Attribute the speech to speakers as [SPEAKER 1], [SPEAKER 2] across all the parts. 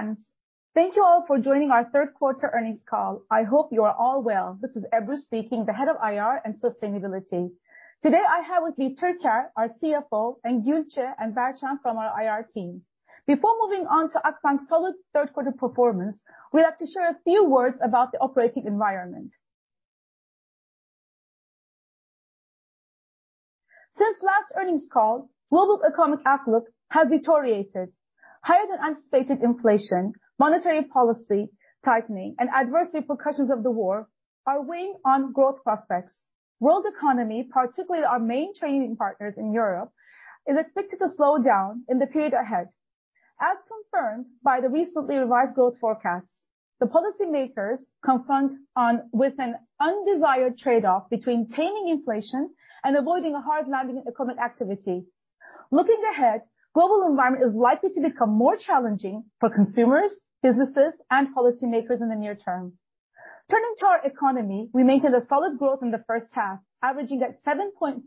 [SPEAKER 1] Dear friends, thank you all for joining our third quarter Earnings Call. I hope you are all well. This is Ebru speaking, the head of IR and sustainability. Today, I have with me Türker, our CFO, and Gülçe and Berchan from our IR team. Before moving on to Akbank's solid third quarter performance, we'd like to share a few words about the operating environment. Since last earnings call, global economic outlook has deteriorated. Higher than anticipated inflation, monetary policy tightening, and adverse repercussions of the war are weighing on growth prospects. World economy, particularly our main trading partners in Europe, is expected to slow down in the period ahead. As confirmed by the recently revised growth forecasts, the policymakers confront with an undesired trade-off between taming inflation and avoiding a hard landing economic activity. Looking ahead, global environment is likely to become more challenging for consumers, businesses, and policymakers in the near term. Turning to our economy, we maintained a solid growth in the first half, averaging at 7.5%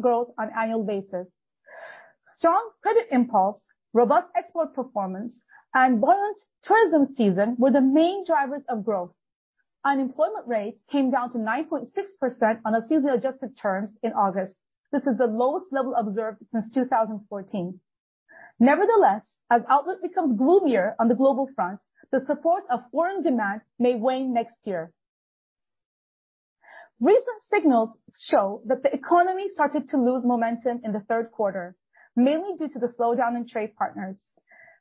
[SPEAKER 1] growth on annual basis. Strong credit impulse, robust export performance, and buoyant tourism season were the main drivers of growth. Unemployment rates came down to 9.6% on a seasonally adjusted basis in August. This is the lowest level observed since 2014. Nevertheless, as outlook becomes gloomier on the global front, the support of foreign demand may wane next year. Recent signals show that the economy started to lose momentum in the third quarter, mainly due to the slowdown in trade partners.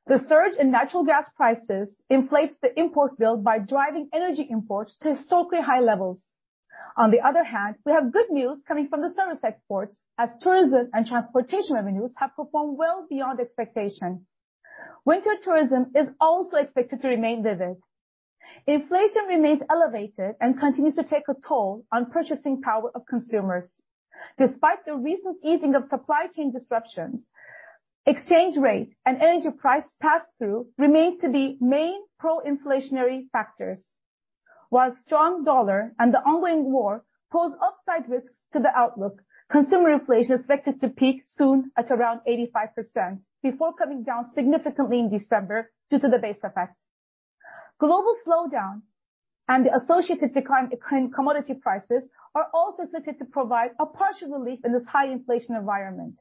[SPEAKER 1] The surge in natural gas prices inflates the import bill by driving energy imports to historically high levels. On the other hand, we have good news coming from the service exports as tourism and transportation revenues have performed well beyond expectation. Winter tourism is also expected to remain vivid. Inflation remains elevated and continues to take a toll on purchasing power of consumers. Despite the recent easing of supply chain disruptions, exchange rate and energy price pass-through remains to be main pro-inflationary factors. While strong dollar and the ongoing war pose upside risks to the outlook, consumer inflation is expected to peak soon at around 85% before coming down significantly in December due to the base effect. Global slowdown and the associated decline in commodity prices are also expected to provide a partial relief in this high inflation environment.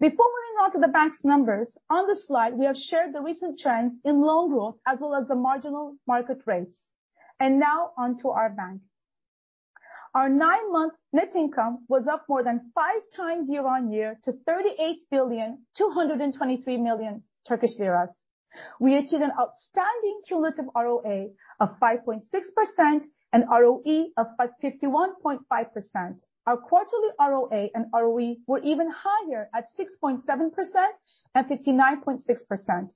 [SPEAKER 1] Before moving on to the bank's numbers, on this slide we have shared the recent trends in loan growth as well as the marginal market rates. Now on to our bank. Our nine-month net income was up more than five times year-on-year to 38.223 billion. We achieved an outstanding cumulative ROA of 5.6% and ROE of 51.5%. Our quarterly ROA and ROE were even higher at 6.7% and 59.6%.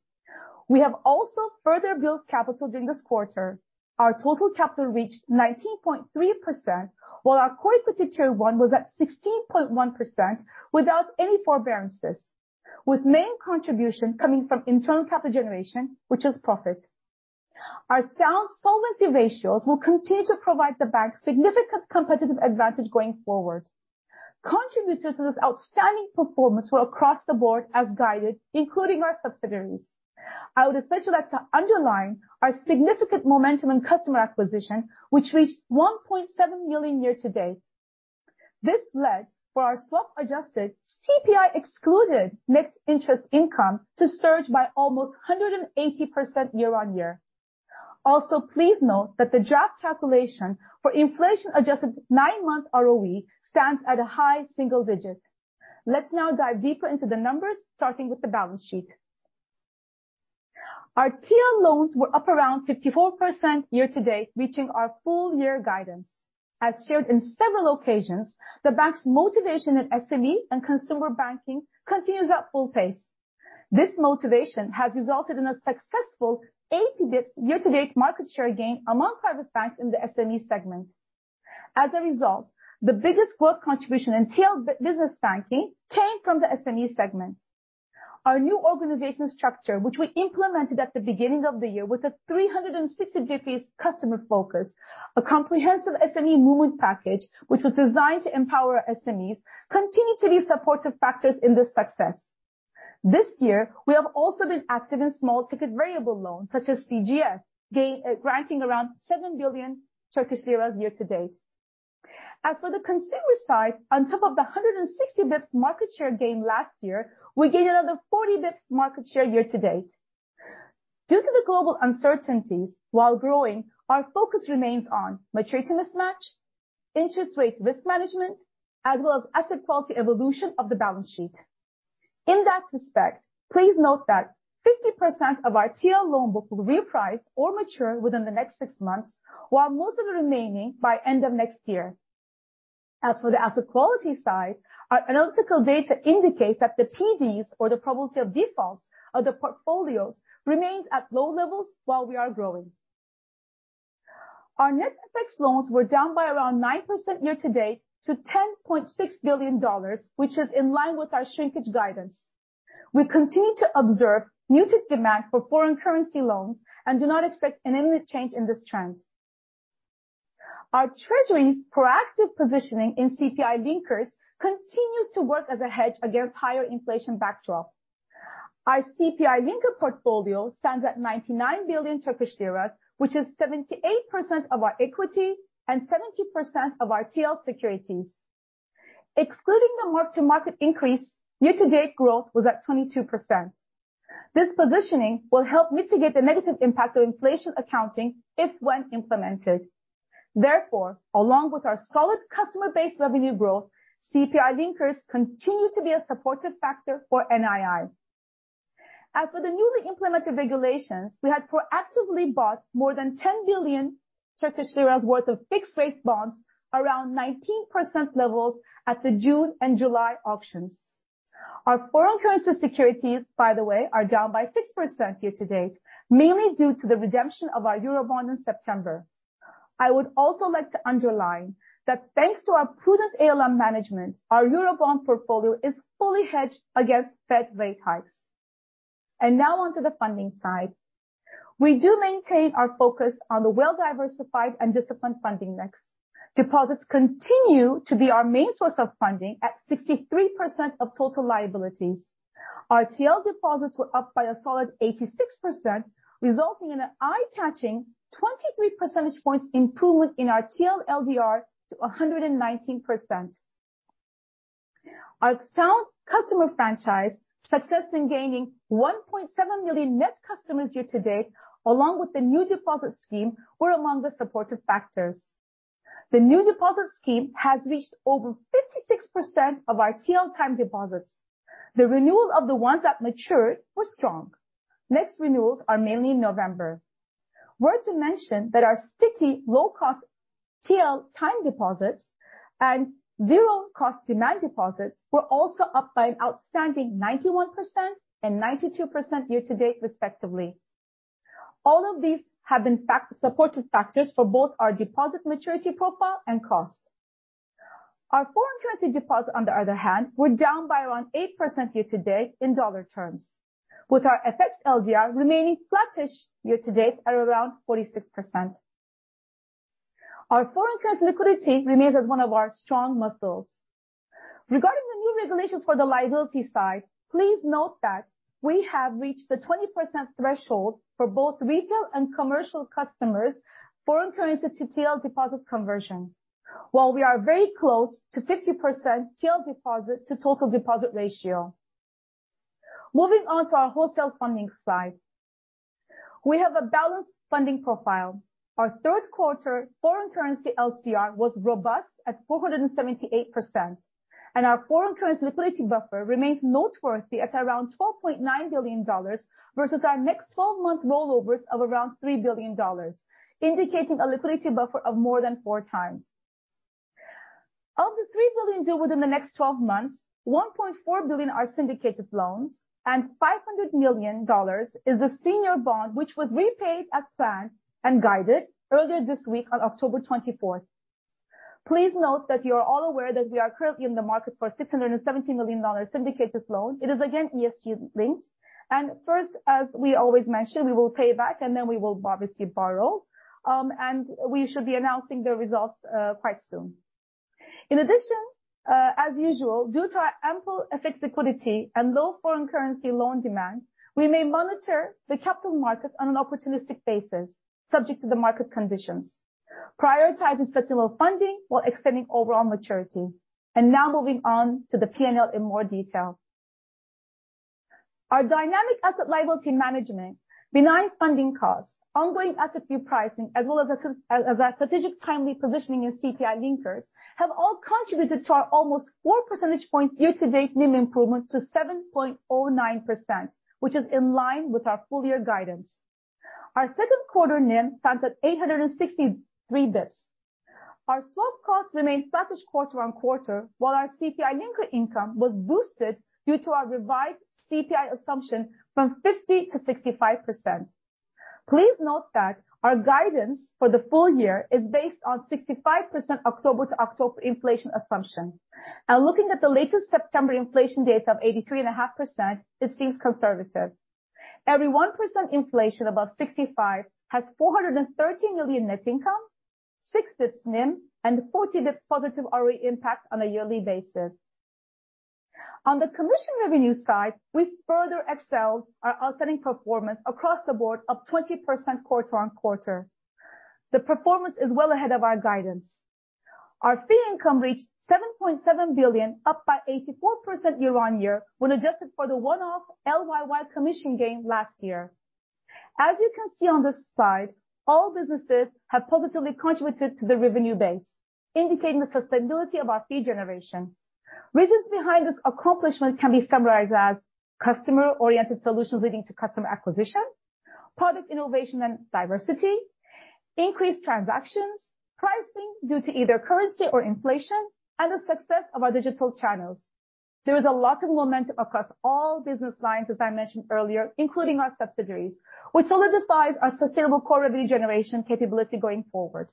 [SPEAKER 1] We have also further built capital during this quarter. Our total capital reached 19.3%, while our Core Equity Tier 1 was at 16.1% without any forbearances, with main contribution coming from internal capital generation, which is profit. Our sound solvency ratios will continue to provide the bank significant competitive advantage going forward. Contributors to this outstanding performance were across the board as guided, including our subsidiaries. I would especially like to underline our significant momentum in customer acquisition, which reached 1.7 million year to date. This led for our swap adjusted CPI-excluded net interest income to surge by almost 180% year on year. Also, please note that the draft calculation for inflation-adjusted nine-month ROE stands at a high single digit. Let's now dive deeper into the numbers, starting with the balance sheet. Our TL loans were up around 54% year to date, reaching our full year guidance. As shared in several occasions, the bank's motivation at SME and consumer banking continues at full pace. This motivation has resulted in a successful 80 bps year to date market share gain among private banks in the SME segment. As a result, the biggest growth contribution in TL business banking came from the SME segment. Our new organizational structure, which we implemented at the beginning of the year with a 360-degree customer focus, a comprehensive SME movement package which was designed to empower SMEs, continue to be supportive factors in this success. This year, we have also been active in small ticket variable loans such as CGF, granting around 7 billion Turkish lira year to date. As for the consumer side, on top of the 160 bps market share gain last year, we gained another 40 bps market share year to date. Due to the global uncertainties, while growing, our focus remains on maturity mismatch, interest rate risk management, as well as asset quality evolution of the balance sheet. In that respect, please note that 50% of our TL loan book will reprice or mature within the next six months, while most of the remaining by end of next year. As for the asset quality side, our analytical data indicates that the PDs or the probability of defaults of the portfolios remains at low levels while we are growing. Our net FX loans were down by around 9% year to date to $10.6 billion, which is in line with our shrinkage guidance. We continue to observe muted demand for foreign currency loans and do not expect an immediate change in this trend. Our Treasury's proactive positioning in CPI linkers continues to work as a hedge against higher inflation backdrop. Our CPI linker portfolio stands at 99 billion Turkish lira, which is 78% of our equity and 70% of our TL securities. Excluding the mark-to-market increase, year-to-date growth was at 22%. This positioning will help mitigate the negative impact of inflation accounting if or when implemented. Therefore, along with our solid customer base revenue growth, CPI linkers continue to be a supportive factor for NII. As for the newly implemented regulations, we had proactively bought more than 10 billion worth of fixed-rate bonds around 19% levels at the June and July auctions. Our foreign currency securities, by the way, are down by 6% year-to-date, mainly due to the redemption of our Eurobond in September. I would also like to underline that thanks to our prudent ALM management, our Eurobond portfolio is fully hedged against Fed rate hikes. Now on to the funding side. We do maintain our focus on the well-diversified and disciplined funding mix. Deposits continue to be our main source of funding at 63% of total liabilities. Our TL deposits were up by a solid 86%, resulting in an eye-catching 23 percentage points improvement in our TL LDR to 119%. Our sound customer franchise success in gaining 1.7 million net customers year-to-date, along with the new deposit scheme, were among the supportive factors. The new deposit scheme has reached over 56% of our TL time deposits. The renewal of the ones that matured was strong. Next renewals are mainly in November. Worth to mention that our sticky low-cost TL time deposits and zero cost demand deposits were also up by an outstanding 91% and 92% year-to-date respectively. All of these have been supportive factors for both our deposit maturity profile and cost. Our foreign currency deposits on the other hand, were down by around 8% year-to-date in dollar terms, with our FX LDR remaining flattish year-to-date at around 46%. Our foreign currency liquidity remains as one of our strong muscles. Regarding the new regulations for the liability side, please note that we have reached the 20% threshold for both retail and commercial customers' foreign currency to TL deposits conversion, while we are very close to 50% TL deposit to total deposit ratio. Moving on to our wholesale funding side. We have a balanced funding profile. Our third quarter foreign currency LCR was robust at 478%, and our foreign currency liquidity buffer remains noteworthy at around $12.9 billion versus our next twelve-month rollovers of around $3 billion, indicating a liquidity buffer of more than four times. Of the $3 billion due within the next 12 months, $1.4 billion are syndicated loans, and $500 million is a senior bond, which was repaid as planned and guided earlier this week on October 24. Please note that you are all aware that we are currently in the market for $670 million syndicated loan. It is again ESG-linked. First, as we always mention, we will pay back and then we will obviously borrow. We should be announcing the results quite soon. In addition, as usual, due to our ample FX liquidity and low foreign currency loan demand, we may monitor the capital markets on an opportunistic basis, subject to the market conditions, prioritizing such low funding while extending overall maturity. Now moving on to the P&L in more detail. Our dynamic asset liability management, benign funding costs, ongoing asset yield pricing, as well as our strategic timely positioning in CPI linkers, have all contributed to our almost four percentage points year-to-date NIM improvement to 7.09%, which is in line with our full year guidance. Our second quarter NIM stands at 863 basis points. Our swap costs remained flattish quarter-on-quarter, while our CPI linker income was boosted due to our revised CPI assumption from 50% to 65%. Please note that our guidance for the full year is based on 65% October-to-October inflation assumption. Looking at the latest September inflation data of 83.5%, it seems conservative. Every 1% inflation above 65 has 430 million net income, six basis points NIM, and 40 basis points positive ROE impact on a yearly basis. On the commission revenue side, we further excelled our outstanding performance across the board of 20% quarter-on-quarter. The performance is well ahead of our guidance. Our fee income reached 7.7 billion, up by 84% year-on-year when adjusted for the one-off LYY commission gain last year. As you can see on this slide, all businesses have positively contributed to the revenue base, indicating the sustainability of our fee generation. Reasons behind this accomplishment can be summarized as customer-oriented solutions leading to customer acquisition, product innovation and diversity, increased transactions, pricing due to either currency or inflation, and the success of our digital channels. There is a lot of momentum across all business lines, as I mentioned earlier, including our subsidiaries, which solidifies our sustainable core revenue generation capability going forward.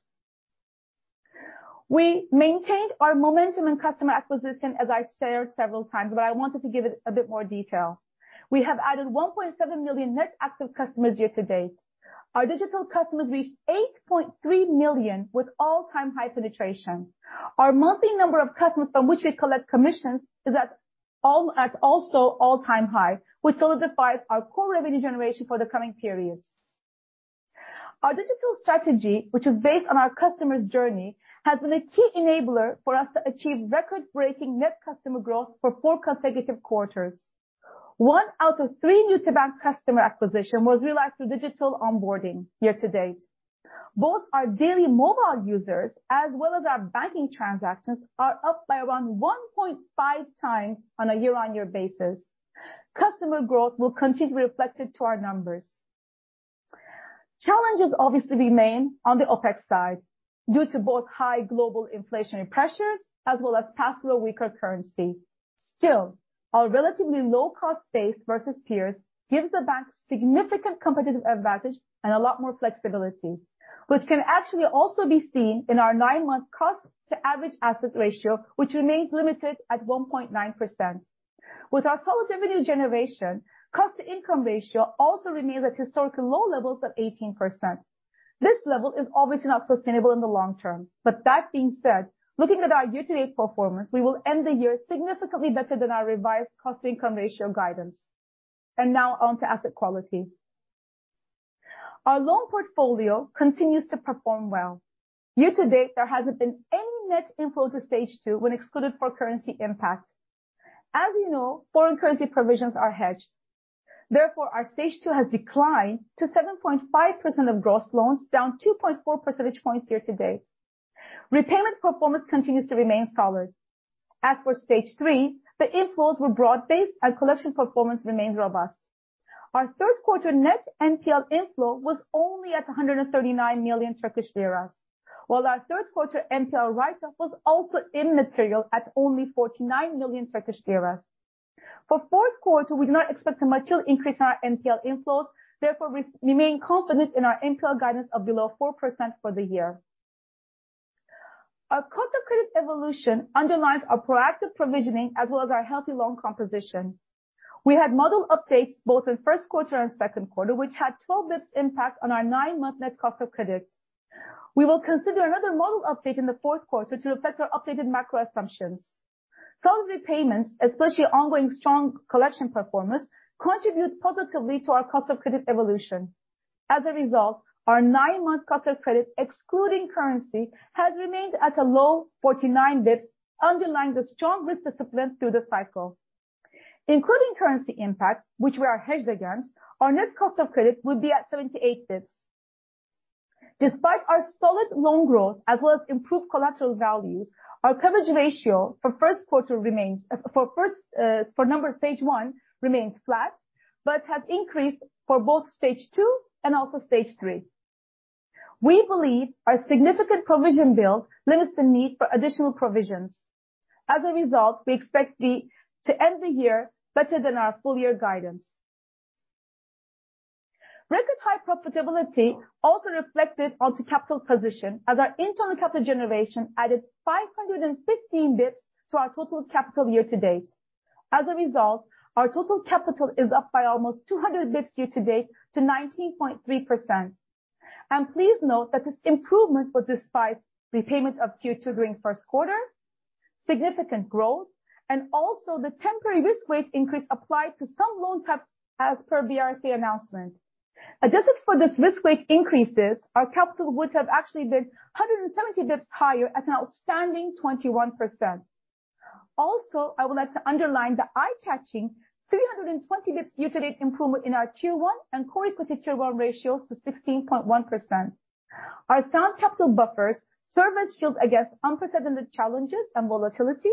[SPEAKER 1] We maintained our momentum in customer acquisition as I shared several times, but I wanted to give it a bit more detail. We have added 1.7 million net active customers year-to-date. Our digital customers reached 8.3 million with all-time high penetration. Our monthly number of customers from which we collect commissions is at an all-time high, which solidifies our core revenue generation for the coming periods. Our digital strategy, which is based on our customer's journey, has been a key enabler for us to achieve record-breaking net customer growth for four consecutive quarters. One out of three new Akbank customer acquisition was realized through digital onboarding year-to-date. Both our daily mobile users as well as our banking transactions are up by around 1.5 times on a year-on-year basis. Customer growth will continue to be reflected to our numbers. Challenges obviously remain on the OpEx side due to both high global inflationary pressures as well as past lower weaker currency. Still, our relatively low cost base versus peers gives the bank significant competitive advantage and a lot more flexibility, which can actually also be seen in our NINE-month cost to average assets ratio, which remains limited at 1.9%. With our solid revenue generation, cost to income ratio also remains at historically low levels of 18%. This level is obviously not sustainable in the long term. That being said, looking at our year-to-date performance, we will end the year significantly better than our revised cost to income ratio guidance. Now on to asset quality. Our loan portfolio continues to perform well. Year-to-date, there hasn't been any net inflow to Stage two when excluded for currency impact. As you know, foreign currency provisions are hedged. Therefore, our Stage two has declined to 7.5% of gross loans, down 2.4 percentage points year-to-date. Repayment performance continues to remain solid. As for Stage three, the inflows were broad-based and collection performance remains robust. Our third quarter net NPL inflow was only at 139 million Turkish lira, while our third quarter NPL write-off was also immaterial at only 49 million Turkish lira. For fourth quarter, we do not expect a material increase in our NPL inflows, therefore we remain confident in our NPL guidance of below 4% for the year. Our cost of credit evolution underlines our proactive provisioning as well as our healthy loan composition. We had model updates both in first quarter and second quarter, which had 12 basis points impact on our nine-month net cost of credit. We will consider another model update in the fourth quarter to reflect our updated macro assumptions. Solid repayments, especially ongoing strong collection performance, contribute positively to our cost of credit evolution. As a result, our 9-month cost of credit, excluding currency, has remained at a low 49 basis points, underlining the strong risk discipline through the cycle. Including currency impact, which we are hedged against, our net cost of credit would be at 78 basis points. Despite our solid loan growth, as well as improved collateral values, our coverage ratio for first quarter remains. NPL Stage one remains flat, but has increased for both Stage two and also Stage three. We believe our significant provision build limits the need for additional provisions. As a result, we expect to end the year better than our full year guidance. Record high profitability also reflected onto capital position as our internal capital generation added 515 basis points to our total capital year-to-date. As a result, our total capital is up by almost 200 basis points year-to-date to 19.3%. Please note that this improvement was despite repayments of Q2 during first quarter, significant growth, and also the temporary risk weight increase applied to some loan types as per BRSA announcement. Adjusted for this risk weight increases, our capital would have actually been 170 basis points higher at an outstanding 21%. Also, I would like to underline the eye-catching 320 basis points year-to-date improvement in our Tier one and Core Equity Tier one ratios to 16.1%. Our sound capital buffers serve as shield against unprecedented challenges and volatility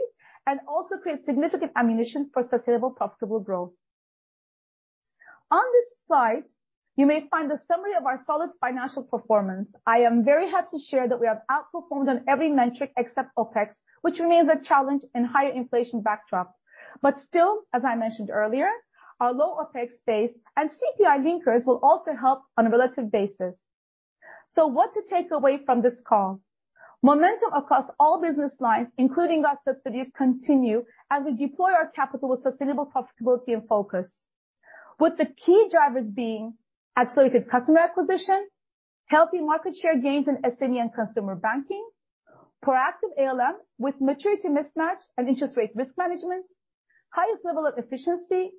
[SPEAKER 1] and also create significant ammunition for sustainable profitable growth. On this slide, you may find a summary of our solid financial performance. I am very happy to share that we have outperformed on every metric except OpEx, which remains a challenge in higher inflation backdrop. Still, as I mentioned earlier, our low OpEx base and CPI linkers will also help on a relative basis. What to take away from this call? Momentum across all business lines, including our subsidiaries, continue as we deploy our capital with sustainable profitability and focus, with the key drivers being accelerated customer acquisition, healthy market share gains in SME and consumer banking, proactive ALM with maturity mismatch and interest rate risk management, highest level of efficiency,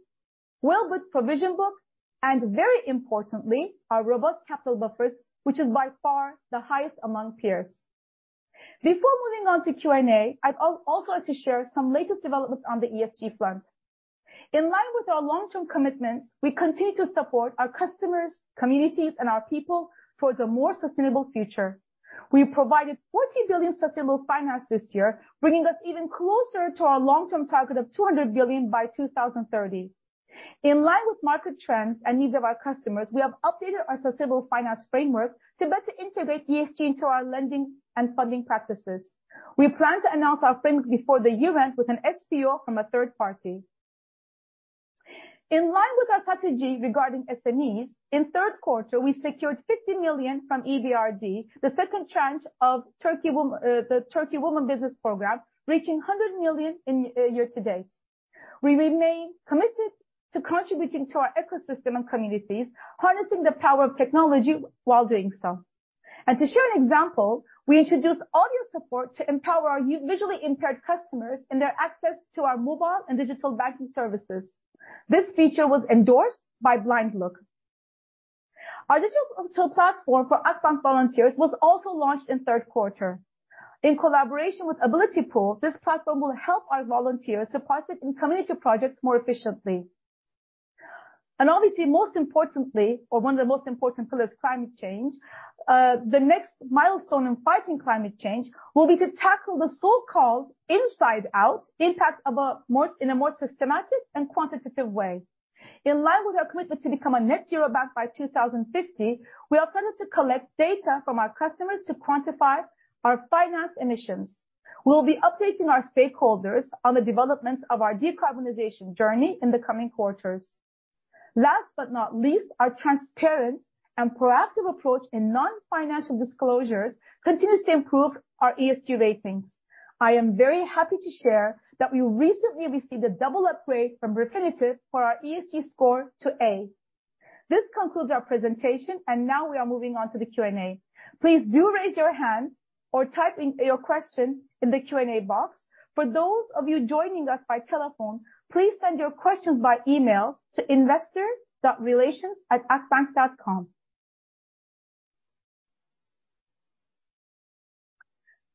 [SPEAKER 1] well-built provision book, and very importantly, our robust capital buffers, which is by far the highest among peers. Before moving on to Q&A, I'd also like to share some latest developments on the ESG front. In line with our long-term commitments, we continue to support our customers, communities, and our people towards a more sustainable future. We provided 40 billion sustainable finance this year, bringing us even closer to our long-term target of 200 billion by 2030. In line with market trends and needs of our customers, we have updated our sustainable finance framework to better integrate ESG into our lending and funding practices. We plan to announce our framework before the year end with an SPO from a third party. In line with our strategy regarding SMEs, in third quarter, we secured 50 million from EBRD, the second tranche of the Turkey Women Business Program, reaching 100 million in year to date. We remain committed to contributing to our ecosystem and communities, harnessing the power of technology while doing so. To share an example, we introduced audio support to empower our visually impaired customers in their access to our mobile and digital banking services. This feature was endorsed by BlindLook. Our digital platform for Akbank volunteers was also launched in third quarter. In collaboration with AbilityPool, this platform will help our volunteers to participate in community projects more efficiently. Obviously, most importantly, or one of the most important pillars, climate change. The next milestone in fighting climate change will be to tackle the so-called inside out impact in a more systematic and quantitative way. In line with our commitment to become a net zero bank by 2050, we are focused to collect data from our customers to quantify our financed emissions. We'll be updating our stakeholders on the developments of our decarbonization journey in the coming quarters. Last but not least, our transparent and proactive approach in non-financial disclosures continues to improve our ESG ratings. I am very happy to share that we recently received a double upgrade from Refinitive for our ESG score to A. This concludes our presentation, and now we are moving on to the Q&A. Please do raise your hand or type in your question in the Q&A box. For those of you joining us by telephone, please send your questions by email to investor.relations@akbank.com.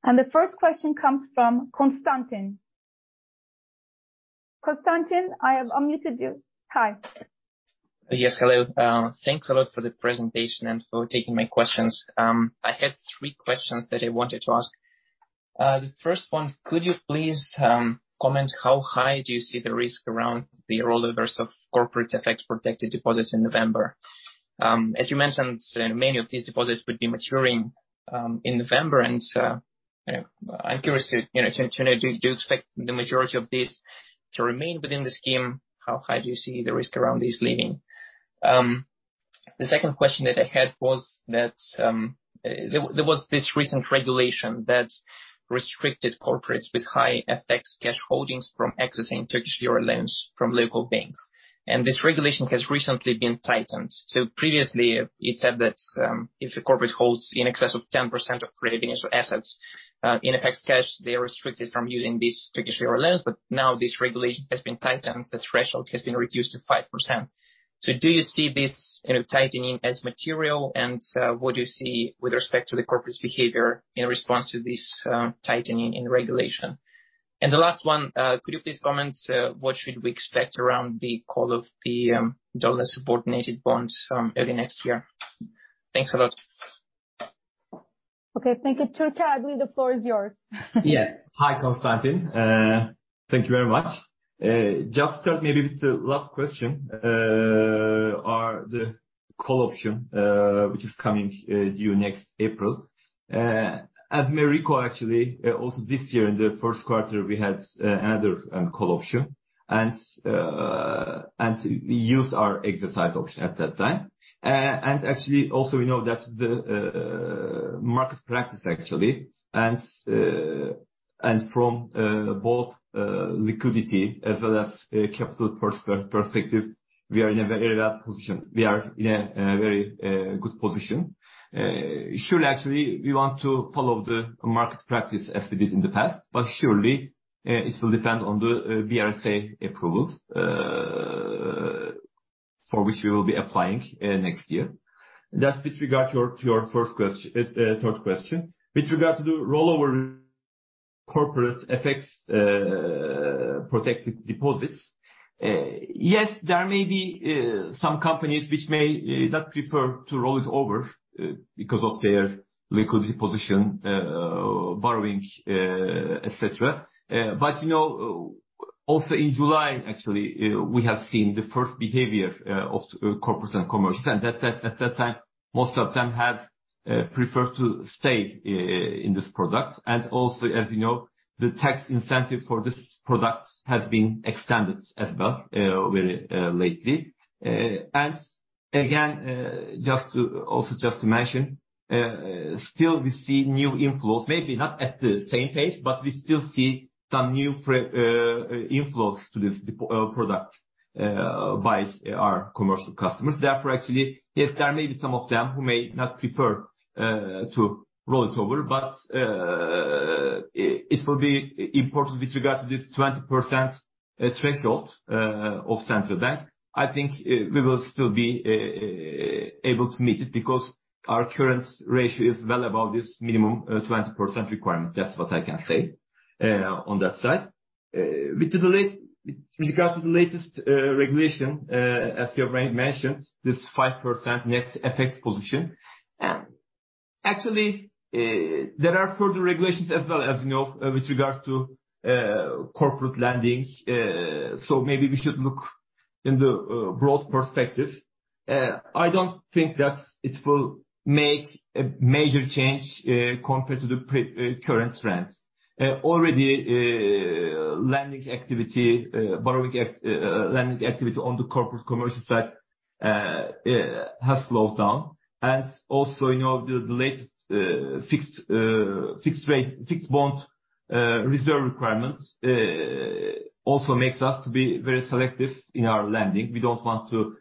[SPEAKER 1] The first question comes from Konstantin. Konstantin, I have unmuted you. Hi.
[SPEAKER 2] Yes. Hello. Thanks a lot for the presentation and for taking my questions. I had three questions that I wanted to ask. The first one, could you please comment how high do you see the risk around the rollovers of corporate FX-protected deposits in November? As you mentioned, many of these deposits would be maturing in November. I'm curious to, you know, to know, do you expect the majority of this to remain within the scheme? How high do you see the risk around this leaving? The second question that I had was that there was this recent regulation that restricted corporates with high FX cash holdings from accessing Turkish euro loans from local banks. This regulation has recently been tightened. Previously you said that, if a corporate holds in excess of 10% of revenue assets, in FX cash, they are restricted from using these Turkish Euro loans. Now this regulation has been tightened. The threshold has been reduced to 5%. Do you see this, you know, tightening as material? What do you see with respect to the corporate behavior in response to this tightening in regulation? The last one, could you please comment what should we expect around the call of the dollar subordinated bonds early next year? Thanks a lot.
[SPEAKER 1] Okay, thank you. Türker, I believe the floor is yours.
[SPEAKER 3] Yeah. Hi, Konstantin. Thank you very much. Just start maybe with the last question. Regarding the call option which is coming due next April. As you may recall, actually, also this year in the first quarter, we had another call option and we exercised our option at that time. Actually, also, we know that the market practice actually and from both liquidity as well as capital perspective, we are in a very well position. We are in a very good position. Sure. Actually, we want to follow the market practice as we did in the past, but surely it will depend on the BRSA approvals, for which we will be applying next year. That's with regard to your third question. With regard to the rollover, corporate FX protected deposits, yes, there may be some companies which may not prefer to roll it over because of their liquidity position, borrowing, et cetera. You know, also in July, actually, we have seen the first behavior of corporates and commercials. At that time, most of them have preferred to stay in this product. Also, as you know, the tax incentive for this product has been extended as well, very lately. Again, just to mention, still we see new inflows, maybe not at the same pace, but we still see some new inflows to this product by our commercial customers. Therefore, actually, yes, there may be some of them who may not prefer to roll it over, but it will be important with regard to this 20% threshold of Central Bank. I think we will still be able to meet it because our current ratio is well above this minimum 20% requirement. That's what I can say on that side. With regard to the latest regulation, as you mentioned, this 5% net effect position. Actually, there are further regulations as well, as you know, with regard to corporate lending. Maybe we should look in the broad perspective. I don't think that it will make a major change compared to the current trends. Already, lending activity on the corporate commercial side has slowed down. Also, you know, the latest fixed rate fixed bond reserve requirements also makes us to be very selective in our lending. We don't want to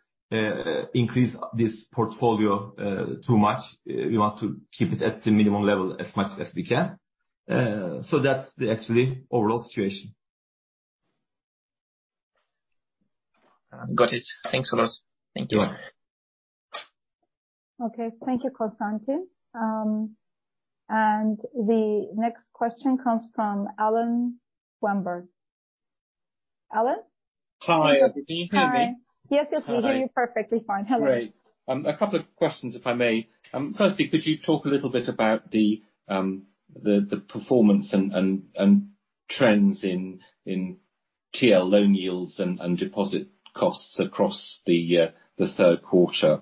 [SPEAKER 3] increase this portfolio too much. We want to keep it at the minimum level as much as we can. That's actually the overall situation.
[SPEAKER 2] Got it. Thanks a lot.
[SPEAKER 3] Thank you.
[SPEAKER 1] Okay. Thank you, Konstantin. The next question comes from Alan Wamberg. Alan?
[SPEAKER 4] Hi. Can you hear me?
[SPEAKER 1] Hi. Yes, yes, we hear you perfectly fine. Hello.
[SPEAKER 4] Great. A couple of questions, if I may. Firstly, could you talk a little bit about the performance and trends in TL loan yields and deposit costs across the third quarter?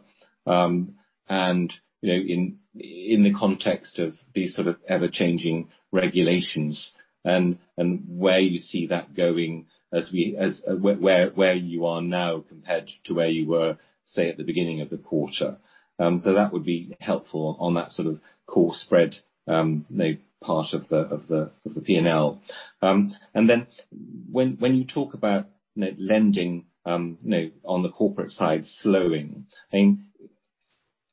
[SPEAKER 4] You know, in the context of these sort of ever-changing regulations and where you see that going, where you are now compared to where you were, say, at the beginning of the quarter. That would be helpful on that sort of core spread, you know, part of the P&L. When you talk about the lending, you know, on the corporate side slowing,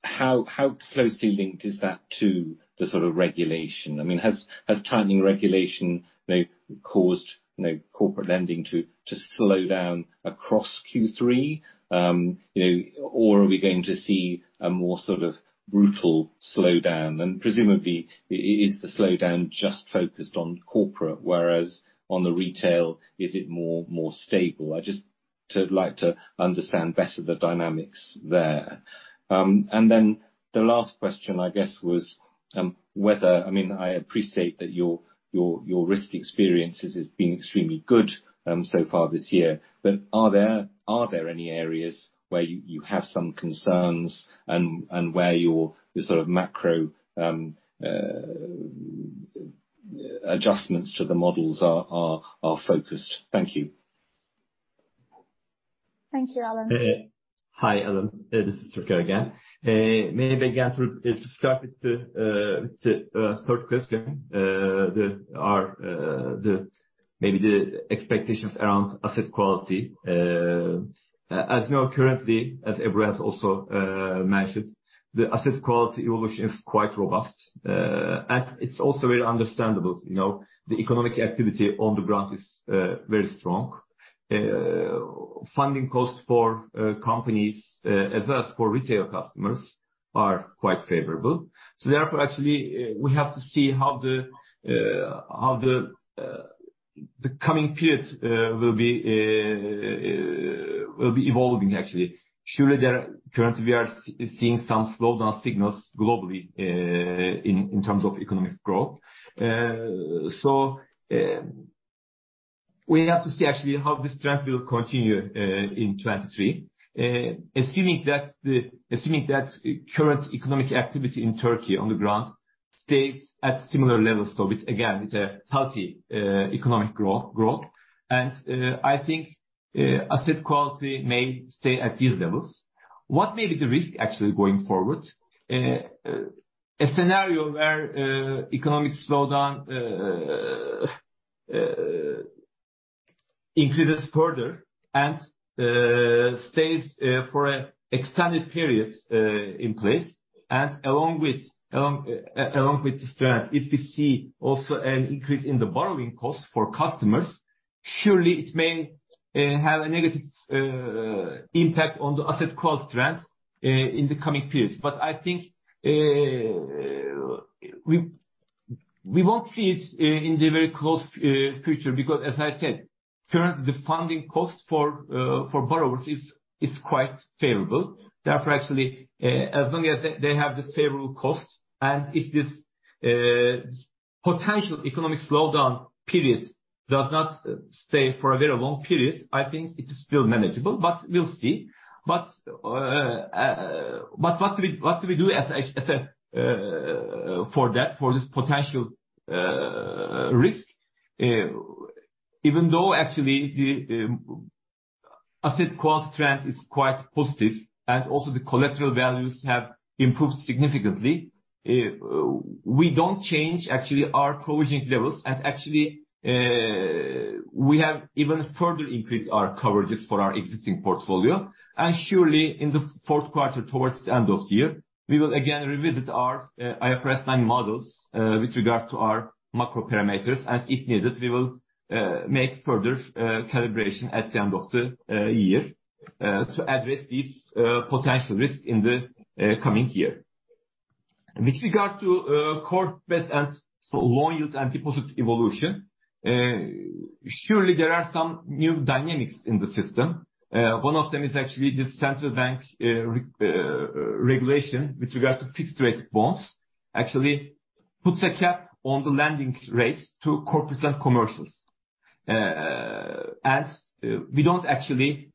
[SPEAKER 4] I think, how closely linked is that to the sort of regulation? I mean, has tightening regulation, you know, caused, you know, corporate lending to slow down across Q3? You know, or are we going to see a more sort of brutal slowdown, and presumably is the slowdown just focused on corporate, whereas on the retail, is it more stable? I'd like to understand better the dynamics there. Then the last question, I guess, was whether I mean, I appreciate that your risk experiences has been extremely good so far this year. Are there any areas where you have some concerns and where your sort of macro adjustments to the models are focused? Thank you.
[SPEAKER 1] Thank you, Alan.
[SPEAKER 3] Hi, Alan. This is Türker again. Maybe again to start with the third question. Maybe the expectations around asset quality. As you know, currently, as Ebru has also mentioned, the asset quality evolution is quite robust. It's also very understandable. You know, the economic activity on the ground is very strong. Funding costs for companies as well as for retail customers are quite favorable. Therefore, actually, we have to see how the coming periods will be evolving actually. Currently we are seeing some slowdown signals globally, in terms of economic growth. We have to see actually how this trend will continue in 2023. Assuming that current economic activity in Turkey on the ground stays at similar levels. Again, it's a healthy economic growth. I think asset quality may stay at these levels. What may be the risk actually going forward, a scenario where economic slowdown increases further and stays for an extended period in place, and along with this trend, if we see also an increase in the borrowing costs for customers, surely it may have a negative impact on the asset quality trend in the coming periods. I think we won't see it in the very close future, because as I said, currently the funding cost for borrowers is quite favorable. Therefore, actually, as long as they have the favorable costs and if this potential economic slowdown period does not stay for a very long period, I think it is still manageable. We'll see. What do we do as a for that for this potential risk? Even though actually the asset quality trend is quite positive and also the collateral values have improved significantly, we don't change actually our provisioning levels. Actually, we have even further increased our coverages for our existing portfolio. Surely in the fourth quarter towards the end of the year, we will again revisit our IFRS 9 models with regards to our macro parameters. If needed, we will make further calibration at the end of the year to address these potential risks in the coming year. With regard to corporate and commercial loan yields and deposit evolution, surely there are some new dynamics in the system. One of them is actually this central bank regulation with regard to fixed rate bonds, actually puts a cap on the lending rates to corporates and commercial. We don't actually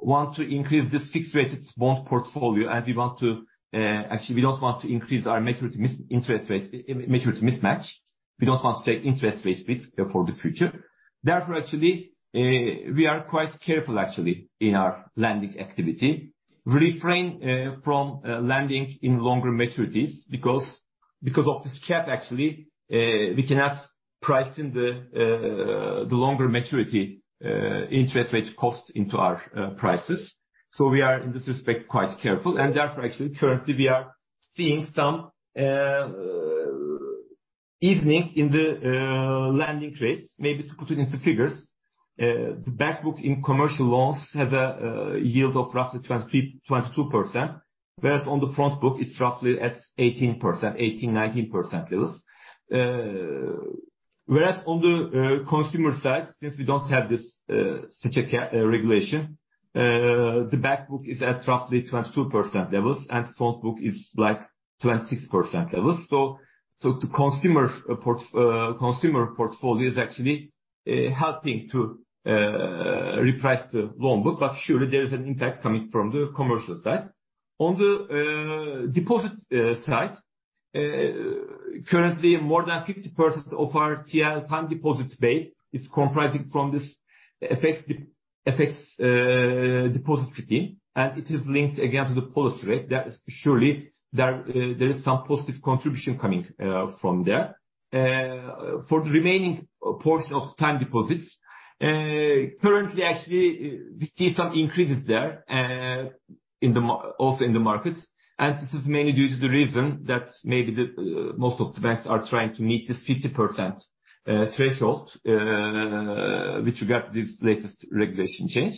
[SPEAKER 3] want to increase the fixed rate bond portfolio, and we want to actually, we don't want to increase our maturity mismatch. We don't want to take interest rate risks for the future. Therefore, actually, we are quite careful actually in our lending activity. Refrain from lending in longer maturities because of this cap. Actually, we cannot price in the longer maturity interest rate cost into our prices. We are in this respect quite careful, and therefore, actually, currently we are seeing some evening in the lending rates. Maybe to put it into figures, the back book in commercial loans has a yield of roughly 23, 22%, whereas on the front book it's roughly at 18%-19% levels. Whereas on the consumer side, since we don't have this such a regulation, the back book is at roughly 22% levels, and front book is like 26% levels. The consumer portfolio is actually helping to reprice the loan book. Surely there is an impact coming from the commercial side. On the deposit side, currently more than 50% of our TL time deposit base is comprising from this FX-protected deposit scheme, and it is linked again to the policy rate. Surely there is some positive contribution coming from there. For the remaining portion of time deposits, currently, actually we see some increases there also in the market. This is mainly due to the reason that maybe the most of the banks are trying to meet this 50% threshold with regard to this latest regulation change.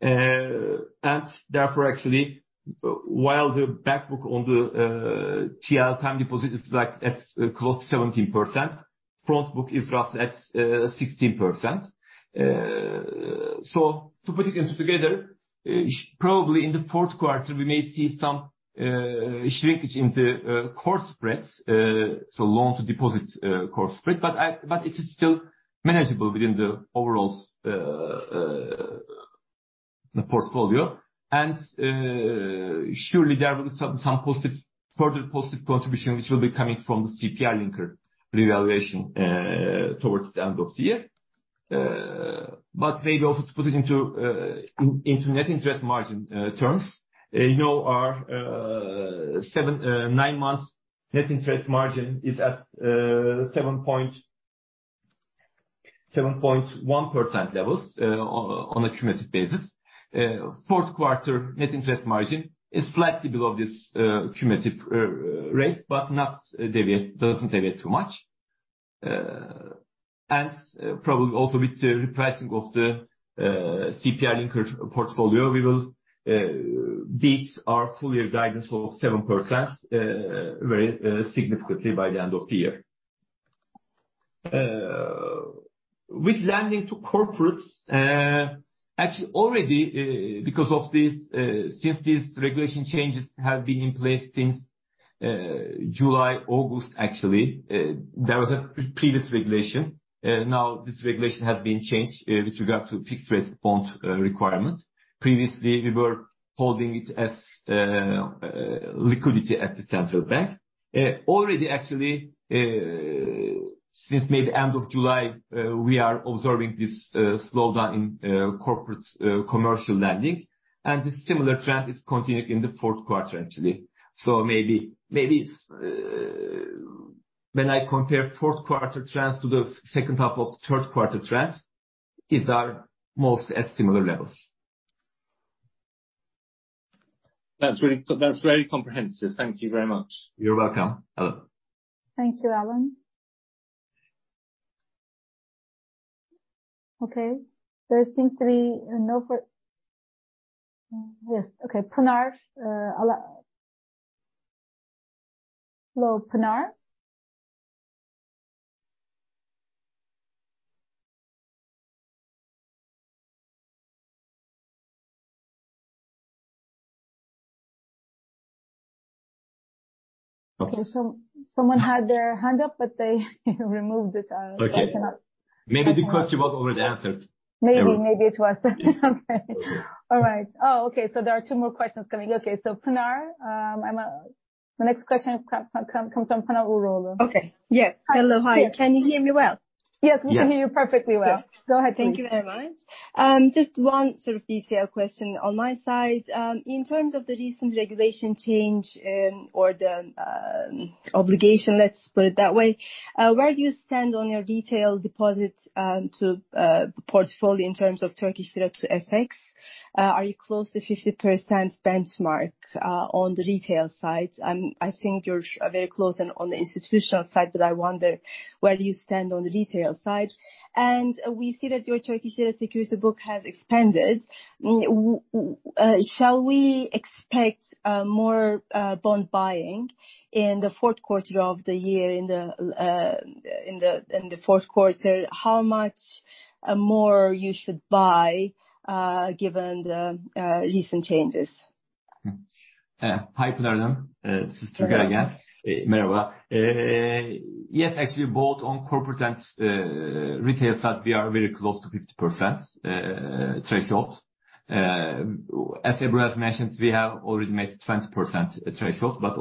[SPEAKER 3] Therefore, actually, while the back book on the TL time deposit is like at close to 17% front book is roughly at 16%. To put it together, probably in the fourth quarter we may see some shrinkage in the core spreads. Loan-to-deposit core spread. But it is still manageable within the overall portfolio. Surely there will be some further positive contribution which will be coming from the CPI linker revaluation towards the end of the year. Maybe also to put it into net interest margin terms. You know, our nine months net interest margin is at 7.1% levels on a cumulative basis. Fourth quarter net interest margin is slightly below this cumulative rate, but doesn't deviate too much. Probably also with the repricing of the CPI linker portfolio, we will beat our full year guidance of 7%, very significantly by the end of the year. With lending to corporates, actually already, because of these, since these regulation changes have been in place since July, August, actually, there was a previous regulation. Now this regulation has been changed, with regard to fixed rate bond requirement. Previously we were holding it as liquidity at the central bank. Already actually, since maybe end of July, we are observing this slowdown in corporate commercial lending. This similar trend is continuing in the fourth quarter, actually. Maybe it's when I compare fourth quarter trends to the second half of third quarter trends, it are mostly at similar levels.
[SPEAKER 4] That's very comprehensive. Thank you very much.
[SPEAKER 3] You're welcome, Alan.
[SPEAKER 1] Thank you, Alan. Yes. Okay, Pinar. Hello, Pinar?
[SPEAKER 3] Okay.
[SPEAKER 1] Okay. Someone had their hand up, but they removed it. I cannot.
[SPEAKER 3] Okay. Maybe the question was already answered.
[SPEAKER 1] Maybe. Maybe it was. Okay.
[SPEAKER 3] Okay.
[SPEAKER 1] All right. Oh, okay. There are two more questions coming. Okay, Pinar, the next question comes from Pinar Uguroglu.
[SPEAKER 4] Okay. Yes.
[SPEAKER 1] Hi.
[SPEAKER 4] Hello. Hi. Can you hear me well?
[SPEAKER 1] Yes, we can hear you perfectly well.
[SPEAKER 3] Yeah.
[SPEAKER 1] Go ahead please.
[SPEAKER 4] Thank you very much. Just one sort of detail question on my side. In terms of the recent regulation change and or the obligation, let's put it that way. Where do you stand on your retail deposit to portfolio in terms of Turkish lira to FX? Are you close to 50% benchmark on the retail side? I think you're very close and on the institutional side, but I wonder where do you stand on the retail side? We see that your Turkish lira security book has expanded. Shall we expect more bond buying in the fourth quarter of the year? In the fourth quarter, how much more you should buy given the recent changes?
[SPEAKER 3] Hi Pınar then. This is Türker again.
[SPEAKER 4] Okay.
[SPEAKER 3] Yes, actually, both on corporate and retail side, we are very close to 50% threshold. As Ebru has mentioned, we have already made 20% threshold, at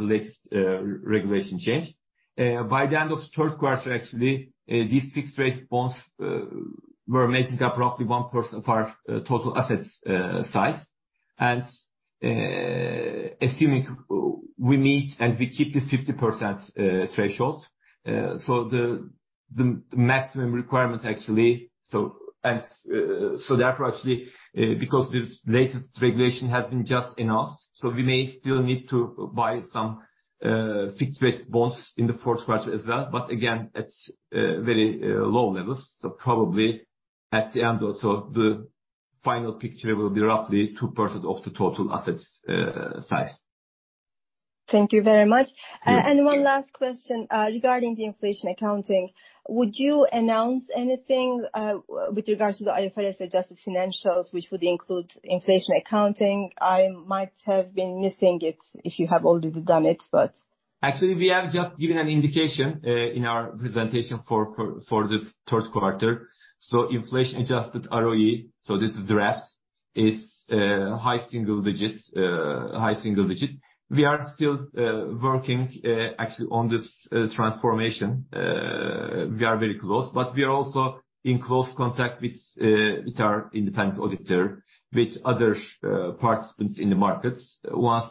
[SPEAKER 3] least regulation change. By the end of third quarter, actually, these fixed rate bonds were making up roughly 1% of our total assets size. Assuming we meet and we keep this 50% threshold, the maximum requirement, actually. Therefore, actually, because this latest regulation has been just announced, we may still need to buy some fixed rate bonds in the fourth quarter as well. Again, it's very low levels. Probably at the end or so, the final picture will be roughly 2% of the total assets size.
[SPEAKER 4] Thank you very much.
[SPEAKER 3] Yeah.
[SPEAKER 4] One last question regarding the inflation accounting. Would you announce anything with regards to the IFRS-adjusted financials, which would include inflation accounting? I might have been missing it if you have already done it, but.
[SPEAKER 3] Actually, we have just given an indication in our presentation for this third quarter. Inflation-adjusted ROE, this is the result, is high single digits. We are still working actually on this transformation. We are very close, but we are also in close contact with our independent auditor, with other participants in the markets. Because,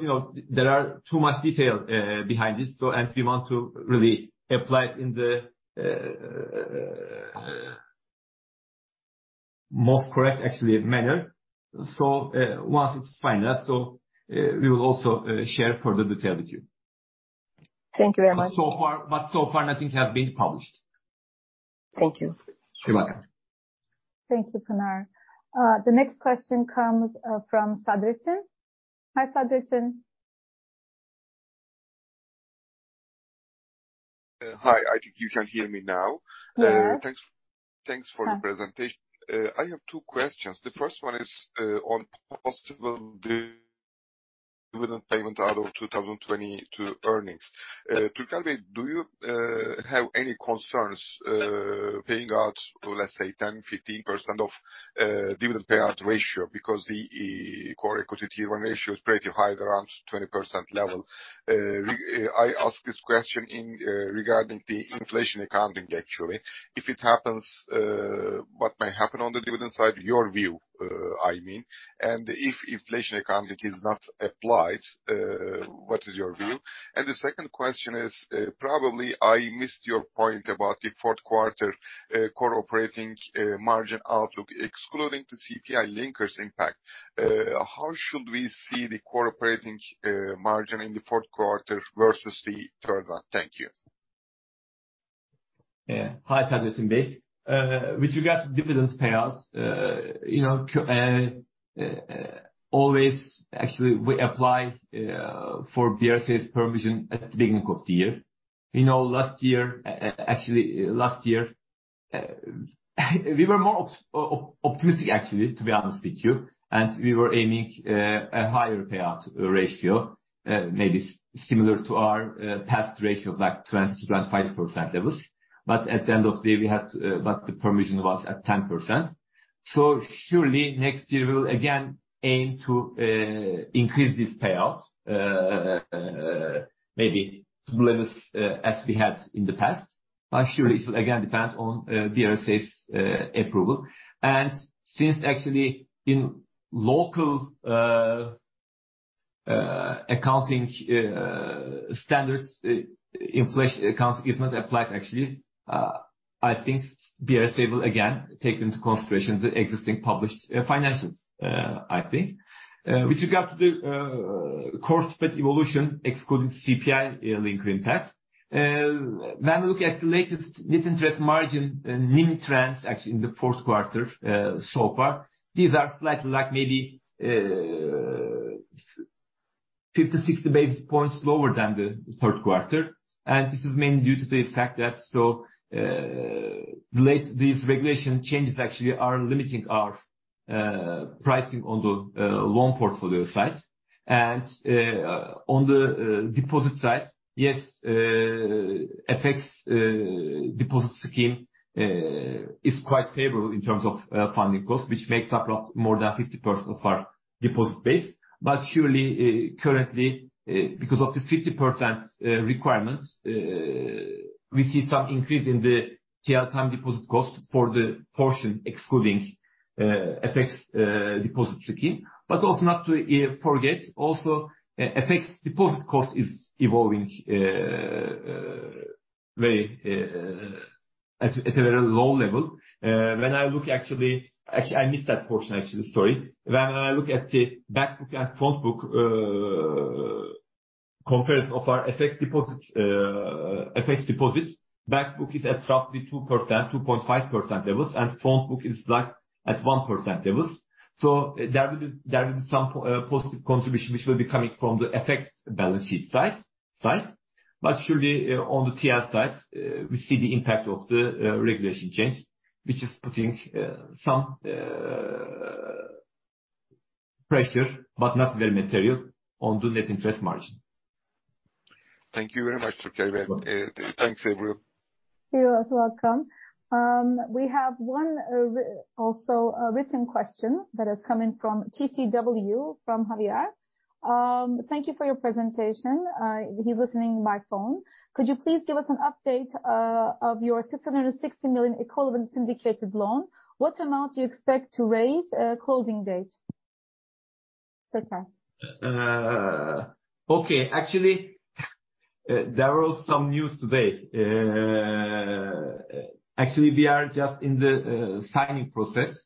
[SPEAKER 3] you know, there are too much detail behind this, and we want to really apply it in the most correct actually manner. Once it's finalized, we will also share further detail with you.
[SPEAKER 4] Thank you very much.
[SPEAKER 3] So far nothing has been published.
[SPEAKER 4] Thank you.
[SPEAKER 3] You're welcome.
[SPEAKER 1] Thank you, Pinar. The next question comes from Sadettin. Hi, Sadettin.
[SPEAKER 5] Hi. I think you can hear me now.
[SPEAKER 1] Yes. Thanks for the presentation. I have two questions. The first one is on possible dividend payment out of 2022 earnings. Türker bey, do you have any concerns paying out, let's say 10%-15% of dividend payout ratio? Because the Core Equity Tier one ratio is pretty high, around 20% level. I ask this question regarding the inflation accounting, actually. If it happens, what may happen on the dividend side, your view, I mean. And if inflation accounting is not applied, what is your view? The second question is, probably I missed your point about the fourth quarter core operating margin outlook, excluding the CPI linkers impact. How should we see the core operating margin in the fourth quarter versus the third one?
[SPEAKER 5] Thank you.
[SPEAKER 3] Yeah. Hi, Sadettin bey. With regards to dividends payouts, you know, always, actually, we apply for BRSA's permission at the beginning of the year. You know, last year, actually, we were more optimistic actually, to be honest with you, and we were aiming a higher payout ratio, maybe similar to our past ratios, like 20%-25% levels. At the end of the day, we had, but the permission was at 10%. Surely next year we'll again aim to increase this payout, maybe to levels as we had in the past. Surely it will again depend on BRSA's approval. Since actually in local accounting standards, inflation accounting is not applied actually, I think BRSA will again take into consideration the existing published financials, I think. With regard to the core spread evolution excluding CPI linker impact, when we look at the latest net interest margin, NIM trends actually in the fourth quarter so far, these are slightly like maybe 50, 60 basis points lower than the third quarter. This is mainly due to the fact that these regulation changes actually are limiting our pricing on the loan portfolio side. On the deposit side, yes, FX deposit scheme is quite favorable in terms of funding cost, which makes up more than 50% of our deposit base. Surely, currently, because of the 50% requirements, we see some increase in the Tier 1 deposit cost for the portion excluding FX deposit scheme. Also not to forget, also, FX deposit cost is evolving at a very low level. Actually, I missed that portion actually. Sorry. When I look at the back book and front book, comparison of our FX deposit. Back book is at roughly 2%, 2.5% levels, and front book is like at 1% levels. So there will be some positive contribution which will be coming from the FX balance sheet side. Surely, on the TL side, we see the impact of the regulation change, which is putting some pressure, but not very material, on the net interest margin.
[SPEAKER 5] Thank you very much, Türker. Thanks, everyone.
[SPEAKER 1] You are welcome. We have one, also a written question that is coming from TCW, from Javier. Thank you for your presentation. He's listening by phone. Could you please give us an update of your 660 million equivalent syndicated loan? What amount do you expect to raise, closing date? Türker.
[SPEAKER 3] Okay. Actually, there was some news today. Actually, we are just in the signing process.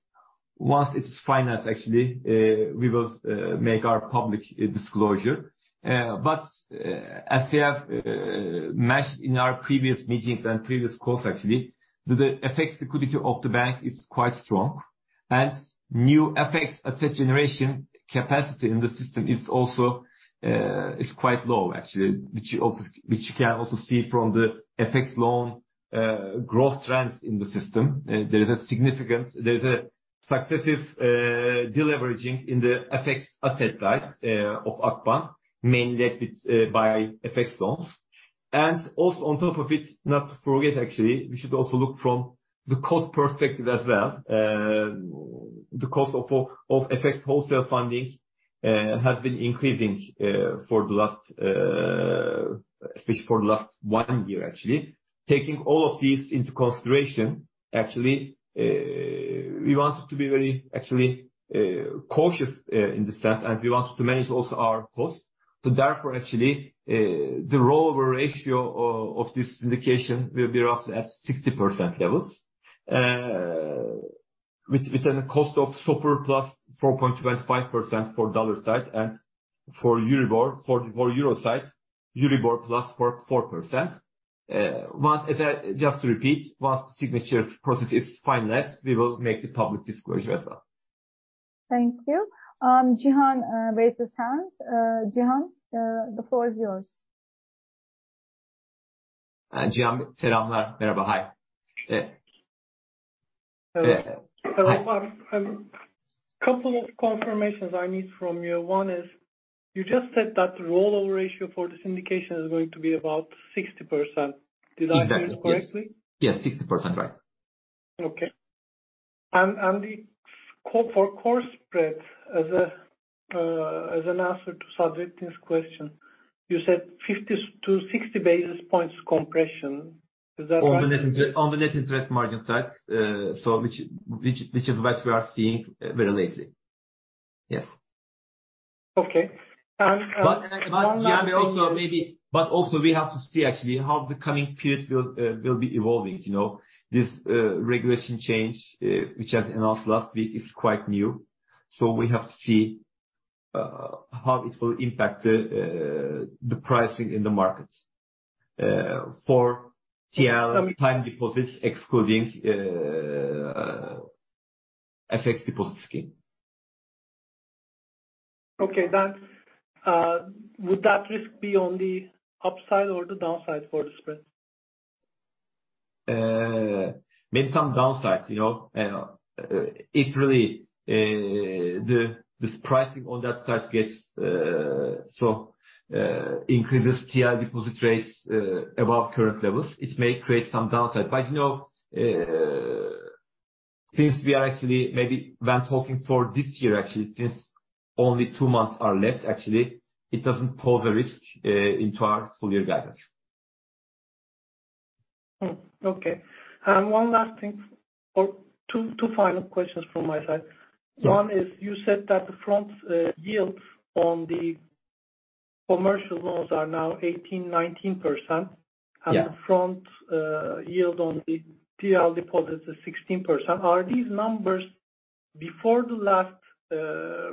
[SPEAKER 3] Once it's financed, actually, we will make our public disclosure. As we have mentioned in our previous meetings and previous calls actually, the FX liquidity of the bank is quite strong. New FX asset generation capacity in the system is also quite low actually. Which you can also see from the FX loan growth trends in the system. There is a successive deleveraging in the FX asset side of Akbank, mainly led by FX loans. Also on top of it, not to forget actually, we should also look from the cost perspective as well. The cost of FX wholesale funding has been increasing, especially for the last one year actually. Taking all of these into consideration actually, we wanted to be very actually cautious in this sense, and we wanted to manage also our costs. Therefore actually, the rollover ratio of this syndication will be roughly at 60% levels, with a cost of SOFR plus 4.25% for dollar side. For Euribor, for euro side, Euribor plus 4.4%. If I just repeat, once the signature process is finalized, we will make the public disclosure as well.
[SPEAKER 1] Thank you. Cihan raised his hand. Cihan, the floor is yours.
[SPEAKER 6] Cihan.
[SPEAKER 3] Hi.
[SPEAKER 6] Hello.
[SPEAKER 3] Hi.
[SPEAKER 6] Couple of confirmations I need from you. One is, you just said that the rollover ratio for this syndication is going to be about 60%. Did I hear you correctly?
[SPEAKER 3] Yes, 60%. Right.
[SPEAKER 6] For core spread as an answer to Sadettin's question, you said 50-60 basis points compression. Is that right?
[SPEAKER 3] On the net interest margin side. Which is what we are seeing very lately. Yes.
[SPEAKER 6] Okay. One last thing.
[SPEAKER 3] Cihan also maybe we have to see actually how the coming period will be evolving. You know, this regulation change which I've announced last week is quite new. We have to see how it will impact the pricing in the markets for TL time deposits excluding FX-protected deposit scheme.
[SPEAKER 6] Okay. Would that risk be on the upside or the downside for the spread?
[SPEAKER 3] Maybe some downsides, you know. If really this pricing on that side gets so increases TL deposit rates above current levels, it may create some downside. You know, since we are actually maybe when talking for this year, actually it doesn't pose a risk into our full year guidance.
[SPEAKER 6] One last thing or two final questions from my side.
[SPEAKER 3] Yes.
[SPEAKER 6] One is you said that the front yield on the commercial loans are now 18%-19%.
[SPEAKER 3] Yeah.
[SPEAKER 6] The front yield on the TL deposits is 16%. Are these numbers before the last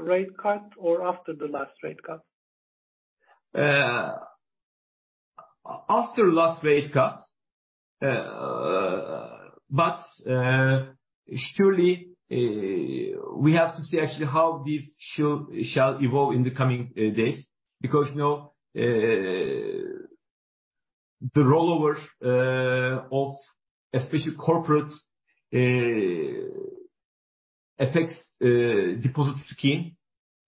[SPEAKER 6] rate cut or after the last rate cut?
[SPEAKER 3] After last rate cut. Surely we have to see actually how this shall evolve in the coming days. You know, the rollover of especially corporate FX deposit scheme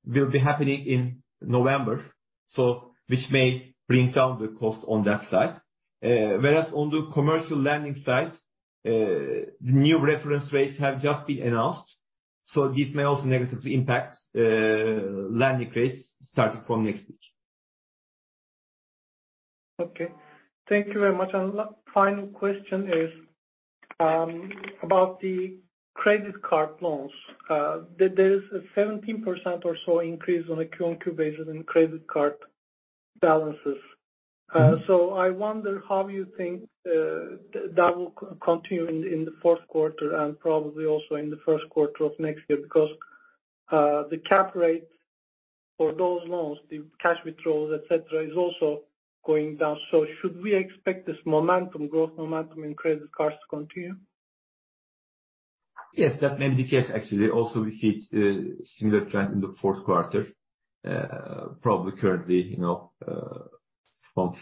[SPEAKER 3] will be happening in November, so which may bring down the cost on that side. Whereas on the commercial lending side, the new reference rates have just been announced, so this may also negatively impact lending rates starting from next week.
[SPEAKER 6] Okay. Thank you very much. Final question is about the credit card loans. There is a 17% or so increase on a quarter-on-quarter basis in credit card balances. So I wonder how you think that will continue in the fourth quarter and probably also in the first quarter of next year. Because the cap rate for those loans, the cash withdrawals, et cetera, is also going down. So should we expect this momentum, growth momentum in credit cards to continue?
[SPEAKER 3] Yes, that indicates actually. Also we see similar trend in the fourth quarter. Probably currently, you know, from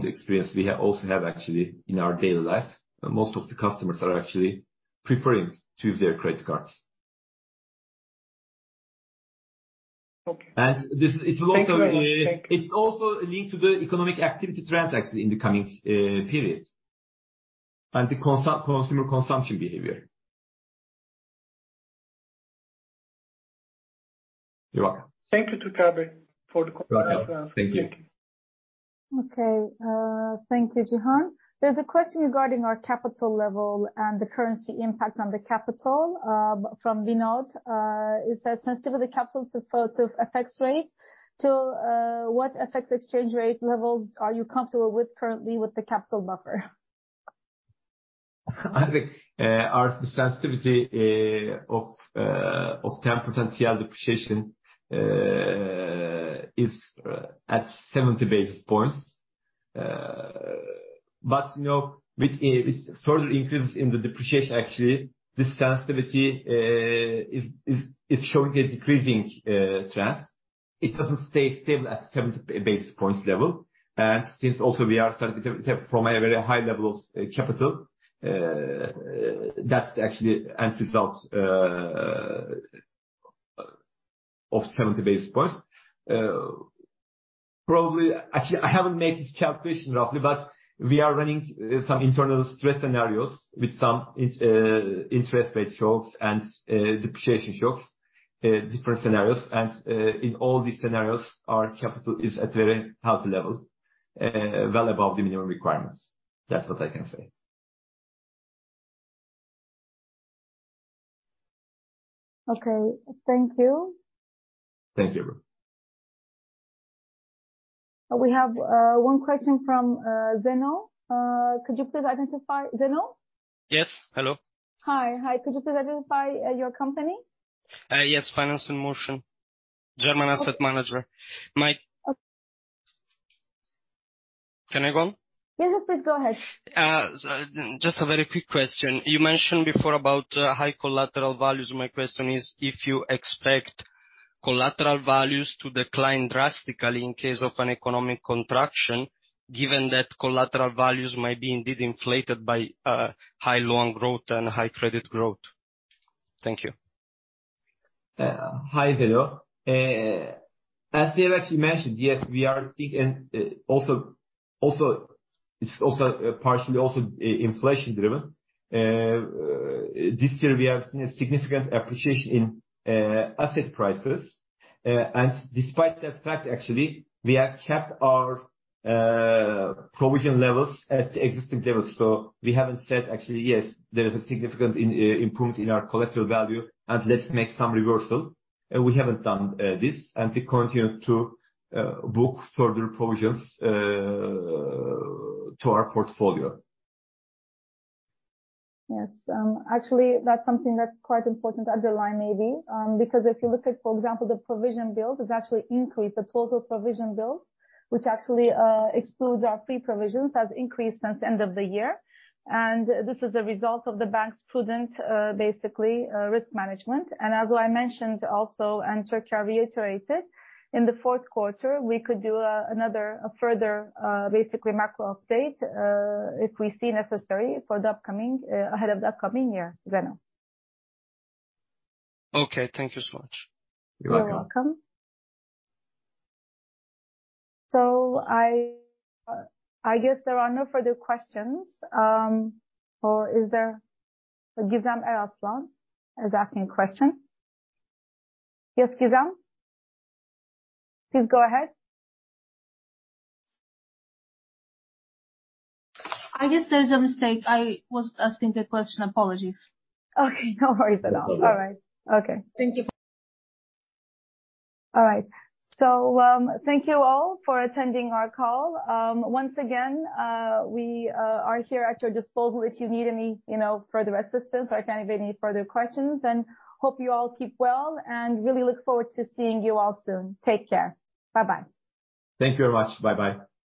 [SPEAKER 3] the experience we have also actually in our daily life, most of the customers are actually preferring to use their credit cards.
[SPEAKER 6] Okay.
[SPEAKER 3] It will also.
[SPEAKER 6] Thank you very much. Thank you.
[SPEAKER 3] It also led to the economic activity trend actually in the coming period and the consumer consumption behavior. You're welcome.
[SPEAKER 6] Thank you to Türker for the call.
[SPEAKER 3] You're welcome. Thank you.
[SPEAKER 6] Thank you.
[SPEAKER 1] Okay. Thank you, Cihan. There's a question regarding our capital level and the currency impact on the capital from Vinod. It says, sensitivity of the capital to FX effects. What FX exchange rate levels are you comfortable with currently with the capital buffer?
[SPEAKER 3] I think our sensitivity of 10% TL depreciation is at 70 basis points. You know, with a further increase in the depreciation actually this sensitivity is showing a decreasing trend. It doesn't stay stable at 70 basis points level. Since also we are starting to get from a very high level of capital that actually ends results of 70 basis points. Actually, I haven't made this calculation roughly, but we are running some internal stress scenarios with some interest rate shocks and depreciation shocks, different scenarios. In all these scenarios, our capital is at very healthy levels, well above the minimum requirements. That's what I can say.
[SPEAKER 1] Okay. Thank you.
[SPEAKER 3] Thank you.
[SPEAKER 1] We have one question from Zeno. Could you please identify Zeno?
[SPEAKER 7] Yes. Hello.
[SPEAKER 1] Hi. Hi. Could you please identify your company?
[SPEAKER 7] Yes. Finance in Motion. German asset manager.
[SPEAKER 1] Okay.
[SPEAKER 7] Can I go on?
[SPEAKER 1] Yes, please go ahead.
[SPEAKER 7] Just a very quick question. You mentioned before about high collateral values. My question is, if you expect collateral values to decline drastically in case of an economic contraction, given that collateral values might be indeed inflated by high loan growth and high credit growth. Thank you.
[SPEAKER 3] Hi, Zeno. As we have actually mentioned, yes, we are seeing and also, it's also partially inflation driven. This year we have seen a significant appreciation in asset prices. Despite that fact, actually, we have kept our provision levels at existing levels. We haven't said actually, "Yes, there is a significant improvement in our collateral value, and let's make some reversal." We haven't done this. We continue to book further provisions to our portfolio.
[SPEAKER 1] Yes. Actually, that's something that's quite important to underline maybe. Because if you look at, for example, the provision build, it's actually increased. The total provision build, which actually excludes our free provisions, has increased since the end of the year. This is a result of the bank's prudent basically risk management. As I mentioned also, and Türker reiterated, in the fourth quarter, we could do another a further basically macro update if we see necessary for the upcoming ahead of the upcoming year, Zeno.
[SPEAKER 7] Okay. Thank you so much.
[SPEAKER 3] You're welcome.
[SPEAKER 1] You're welcome. I guess there are no further questions. Is there? Gizem Eraslan is asking a question. Yes, Gizem. Please go ahead.
[SPEAKER 4] I guess there's a mistake. I wasn't asking a question. Apologies.
[SPEAKER 1] Okay. No worries at all.
[SPEAKER 3] No worries.
[SPEAKER 1] All right. Okay.
[SPEAKER 4] Thank you.
[SPEAKER 1] All right. Thank you all for attending our call. Once again, we are here at your disposal if you need any, you know, further assistance or if anybody any further questions. Hope you all keep well, and really look forward to seeing you all soon. Take care. Bye-bye.
[SPEAKER 3] Thank you very much. Bye-bye.